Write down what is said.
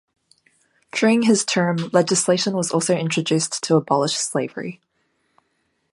During his term, legislation was also introduced to abolish slavery.